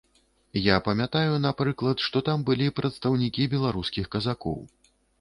Я памятаю, напрыклад, што там былі прадстаўнікі беларускіх казакоў.